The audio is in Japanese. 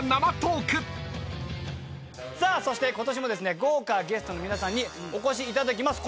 そしてことしも豪華ゲストの皆さんにお越しいただきます。